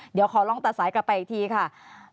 เดี๋ยวขอลองตัดสายกลับไปอีกทีค่ะ